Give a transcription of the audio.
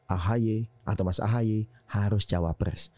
ahy atau mas ahy harus cawapres